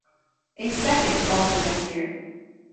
A second followed the next year.